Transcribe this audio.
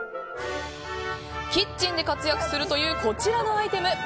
キッチンで活躍するというこちらのアイテム。